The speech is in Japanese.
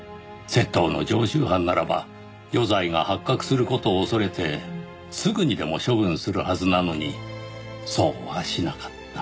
窃盗の常習犯ならば余罪が発覚する事を恐れてすぐにでも処分するはずなのにそうはしなかった。